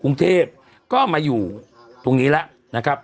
กรุงเทพก็มาอยู่ตรงนี้แล้วนะครับ